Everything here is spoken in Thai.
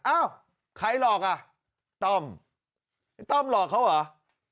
อ้าวใครหลอกต้อมต้อมหลอกเขาหรือ